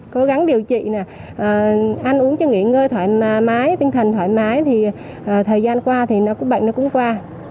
cố gắng điều trị ăn uống cho nghỉ ngơi thoải mái tinh thần thoải mái thì thời gian qua thì nó cũng bệnh nó cũng qua